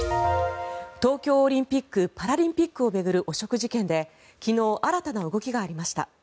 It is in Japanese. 東京オリンピック・パラリンピックを巡る汚職事件で昨日、新たな動きがありました。